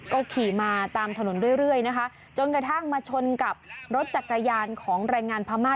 ก็ขี่มาตามถนนเรื่อยนะคะจนกระทั่งมาชนกับรถจักรยานของแรงงานพม่า